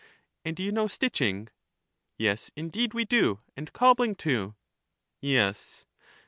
And do you know stitching? Yes, indeed we do, and cobbling, too. Yes.